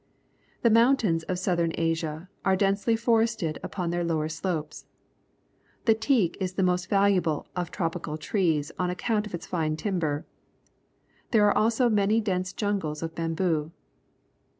The mountains of Southern Asia are dense ly forested upon their lower slopes. The teak is the most valuable of tropical trees on account of its fine timber. There are also many dense jungles of bamboo.